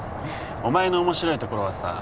お前の面白いところはさ